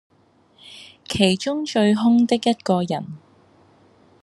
其中最兇的一個人，